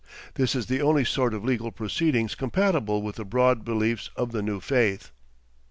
This is the only sort of legal proceedings compatible with the broad beliefs of the new faith.